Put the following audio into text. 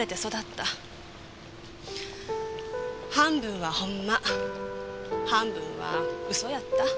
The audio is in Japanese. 半分はほんま半分は嘘やった。